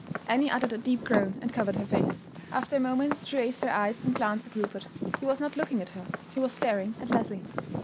Annie uttered a deep groan, and covered her face. After a moment she raised her eyes, and glanced at Rupert. He was not looking at her; he was staring at Leslie.